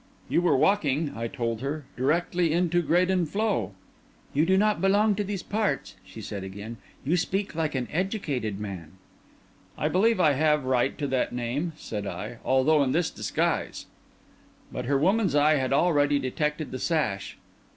"You were walking," I told her, "directly into Graden Floe." "You do not belong to these parts," she said again. "You speak like an educated man." "I believe I have right to that name," said I, "although in this disguise." But her woman's eye had already detected the sash.